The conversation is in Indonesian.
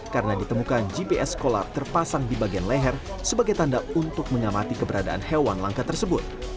karena ditemukan gps kolar terpasang di bagian leher sebagai tanda untuk menyamati keberadaan hewan langka tersebut